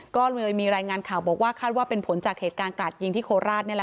ก็เลยมีรายงานข่าวบอกว่าคาดว่าเป็นผลจากเหตุการณ์กราดยิงที่โคราช